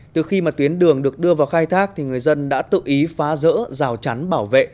từ khi mà tuyến đường được đưa vào khai thác thì người dân đã tự ý phá rỡ rào chắn bảo vệ